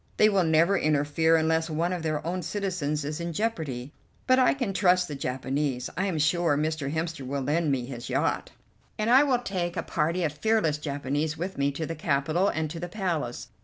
They will never interfere unless one of their own citizens is in jeopardy, but I can trust the Japanese. I am sure Mr. Hemster will lend me his yacht, and I will take a party of fearless Japanese with me to the capital and to the Palace.